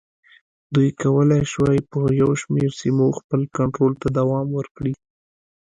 دوی کولای شوای په یو شمېر سیمو خپل کنټرول ته دوام ورکړي.